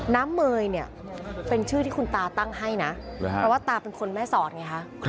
เมย์เนี่ยเป็นชื่อที่คุณตาตั้งให้นะเพราะว่าตาเป็นคนแม่สอดไงคะ